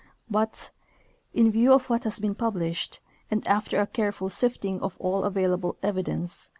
But, in view of what has been published, and after a careful sifting of all available evidence.